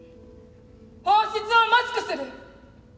本質をマスクする！